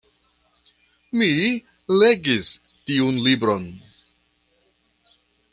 Mi legis tiun libron.